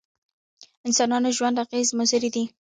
انسانانو ژوند اغېزې مضرې دي.